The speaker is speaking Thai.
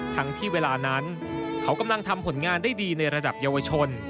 ทั้งที่เวลานั้นเขากำลังทำผลงานได้ดีในระดับเยาวชน